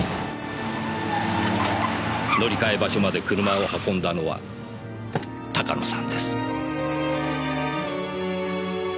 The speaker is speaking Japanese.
乗り換え場所まで車を運んだのは鷹野さんです。